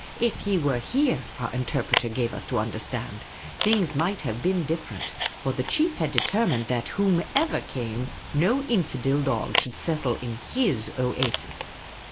If he were here, our interpreter gave us to understand, things might have been different ; for the chief had determined that, whatever came, no infidel dog should settle in his oasis.